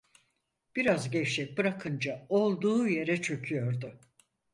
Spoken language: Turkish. Biraz gevşek bırakınca olduğu yere çöküyordu.